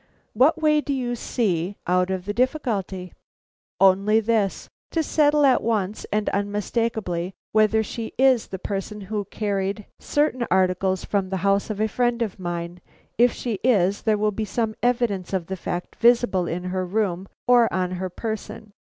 What way do you see out of the difficulty?" "Only this. To settle at once and unmistakably, whether she is the person who carried certain articles from the house of a friend of mine. If she is, there will be some evidence of the fact visible in her room or on her person.